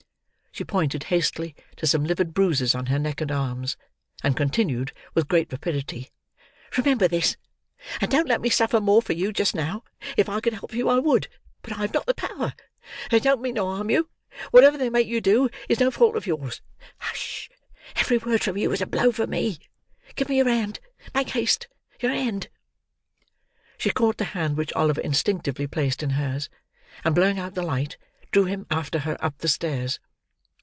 She pointed, hastily, to some livid bruises on her neck and arms; and continued, with great rapidity: "Remember this! And don't let me suffer more for you, just now. If I could help you, I would; but I have not the power. They don't mean to harm you; whatever they make you do, is no fault of yours. Hush! Every word from you is a blow for me. Give me your hand. Make haste! Your hand!" She caught the hand which Oliver instinctively placed in hers, and, blowing out the light, drew him after her up the stairs.